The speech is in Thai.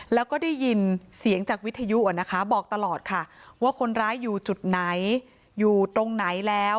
แล้วก็ได้ยินเสียงจากวิทยุบอกตลอดค่ะว่าคนร้ายอยู่จุดไหนอยู่ตรงไหนแล้ว